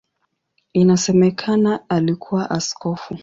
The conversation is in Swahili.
Inasemekana alikuwa askofu.